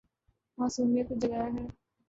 معصومیت کو جگایا ہے